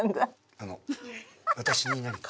あの私に何か？